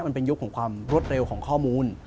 มันเป็นยุคของความรวดเร็วของข้อมูล